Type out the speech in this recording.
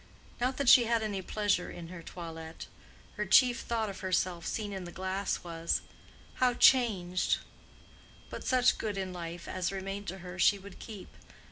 Not that she had any pleasure in her toilet; her chief thought of herself seen in the glass was, "How changed!"—but such good in life as remained to her she would keep.